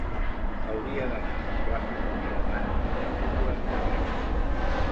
Hauria d'anar a la plaça del Diamant número quaranta-tres.